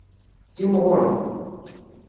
Timɣureḍ.